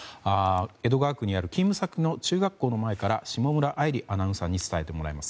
江戸川区にある勤務先の中学校の前から下村彩里アナウンサーに伝えてもらいます。